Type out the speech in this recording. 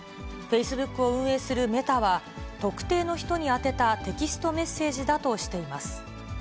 フェイスブックを運営するメタは、特定の人に宛てたテキストメッセージだとしています。